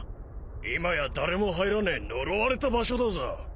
今や誰も入らねえ呪われた場所だぞ。